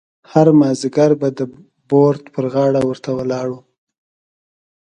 هر مازیګر به د بورد پر غاړه ورته ولاړ وم.